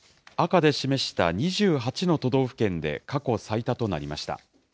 赤で示した２８の都道府県で過去最多となりました。